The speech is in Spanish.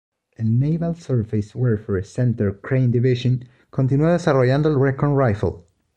El Naval Surface Warfare Center Crane Division continuó desarrollando el Recon Rifle.